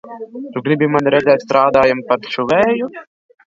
Tu gribi mani redzēt, strādājam par šuvēju?